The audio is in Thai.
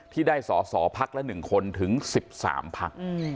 ที่ได้ต่อพลักษมณ์๑คนถึง๑๓พลักษมณ์